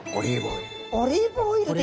オリーブオイルで。